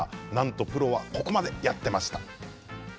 プロはここまでやっていました。